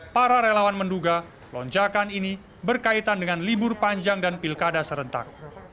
para relawan menduga lonjakan ini berkaitan dengan libur panjang dan pilkada serentak